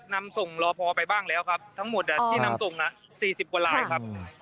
นำส่งรอพอไปบ้างแล้วครับทั้งหมดที่นำส่ง๔๐กว่าลายครับ